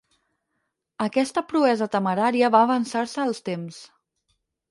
Aquesta proesa temerària va avançar-se als temps.